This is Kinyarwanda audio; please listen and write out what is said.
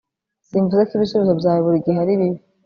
Simvuze ko ibisubizo byawe buri gihe ari bibi